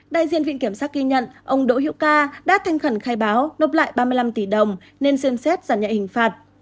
đại diện viện kiểm soát ghi nhận ông đội hữu ca đã thanh khẩn khai báo nộp lại ba mươi năm tỷ đồng nên xem xét giảm nhạy hình phạt